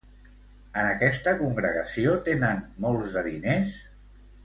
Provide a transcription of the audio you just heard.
En aquesta congregació tenen molts de diners?